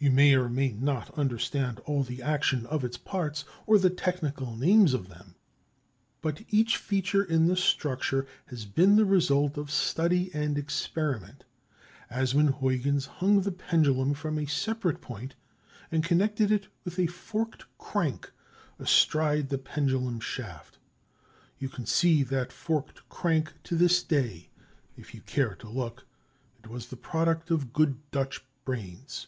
You may or may not understand all the action of its parts, or the technical names of them; but each feature in the structure has been the result of study and experiment, as when Huyghens hung the pendulum from a separate point and connected it with a forked crank astride the pendulum shaft. You can see that forked crank to this day, if you care to look; it was the product of good Dutch brains.